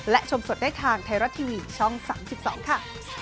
และชมสดได้ทางไทยรัฐทีวีช่อง๓๒ค่ะ